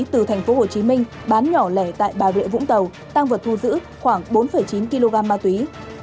từ tp hcm bán nhỏ lẻ tại bà rịa vũng tàu tăng vật thu giữ khoảng bốn chín kg ma túy